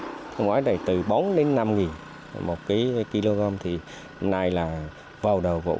năm ngoái này từ bốn đến năm một kg thì hôm nay là vào đầu vụ